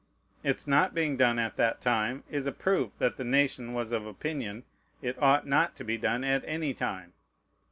Its not being done at that time is a proof that the nation was of opinion it ought not to be done at any time.